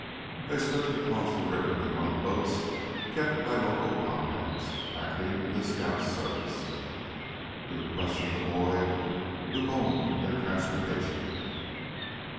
They slipped across the river in one of the boats kept by local contacts acting in the scouts' service. Drew questioned the boy who owned their transportation.